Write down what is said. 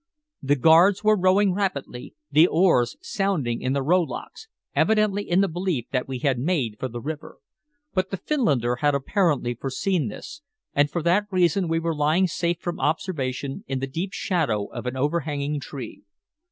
The guards were rowing rapidly, the oars sounding in the rowlocks, evidently in the belief that we had made for the river. But the Finlander had apparently foreseen this, and for that reason we were lying safe from observation in the deep shadow of an overhanging tree.